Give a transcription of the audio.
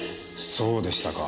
そうでしたか。